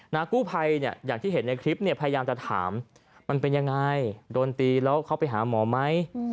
กู้ภัยเนี่ยอย่างที่เห็นในคลิปเนี่ยพยายามจะถามมันเป็นยังไงโดนตีแล้วเขาไปหาหมอไหม